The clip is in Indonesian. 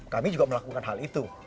kami juga melakukan hal itu